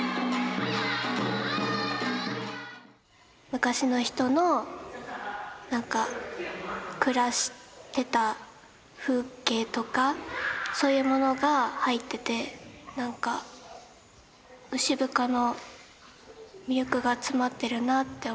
昔の人のなんか暮らしてた風景とかそういうものが入っててなんか牛深の魅力が詰まってるなって思います。